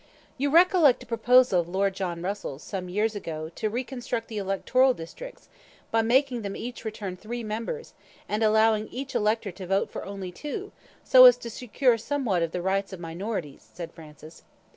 "You recollect a proposal of Lord John Russell's, some years ago, to reconstruct the electoral districts, by making them each return three members, and allowing each elector to vote for only two, so as to secure somewhat of the rights of minorities," said Francis.